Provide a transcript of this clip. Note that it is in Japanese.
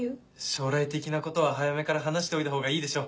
将来的なことは早めから話しておいたほうがいいでしょ。